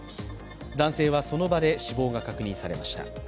男性はその場で死亡が確認されました。